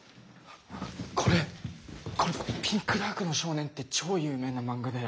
これこれ「ピンクダークの少年」って超有名な漫画だよ。